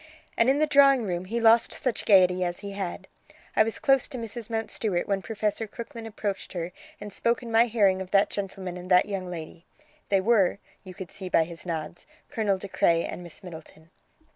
And in the drawing room he lost such gaiety as he had. I was close to Mrs. Mountstuart when Professor Crooklyn approached her and spoke in my hearing of that gentleman and that young lady. They were, you could see by his nods, Colonel De Craye and Miss Middleton."